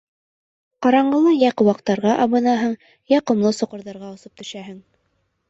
Ҡараңғыла йә ҡыуаҡтарға абынаһың, йә ҡомло соҡорҙарға осоп төшәһең.